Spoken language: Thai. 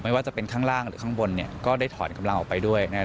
ว่าจะเป็นข้างล่างหรือข้างบนเนี่ยก็ได้ถอนกำลังออกไปด้วยนะครับ